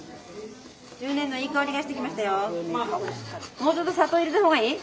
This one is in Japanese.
もうちょっと砂糖入れた方がいい？